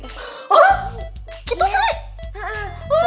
oh gitu sri